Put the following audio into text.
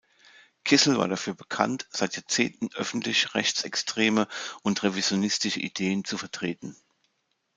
Kissel war dafür bekannt, seit Jahrzehnten öffentlich rechtsextreme und revisionistische Ideen zu vertreten.